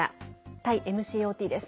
タイＭＣＯＴです。